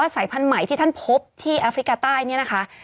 สายพันธุ์ใหม่ที่ท่านพบที่แอฟริกาใต้เนี่ยนะคะ